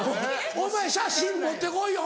お前写真持って来いよ